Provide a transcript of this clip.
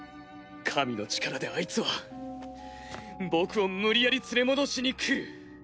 神の力であいつは僕を無理やり連れ戻しに来る。